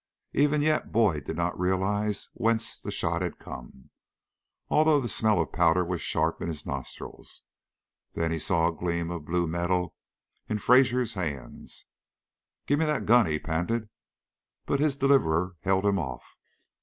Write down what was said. Even yet Boyd did not realize whence the shot had come, although the smell of powder was sharp in his nostrils. Then he saw a gleam of blue metal in Fraser's hands. "Give me that gun!" he panted, but his deliverer held him off.